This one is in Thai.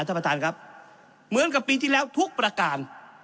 ท่านประธานครับเหมือนกับปีที่แล้วทุกประการ